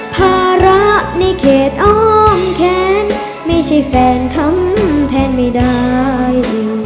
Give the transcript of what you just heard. ภาระในเขตอ้อมแขนไม่ใช่แฟนทำแทนไม่ได้